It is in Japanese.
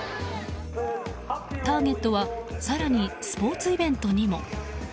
ターゲットは更にスポーツイベントにも。